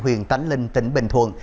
huyền tánh linh tỉnh bình thuận